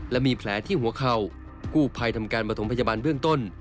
และมีแผลที่หัวเข่ากู้ภัยทำการประถมพยาบาลเบื้องต้น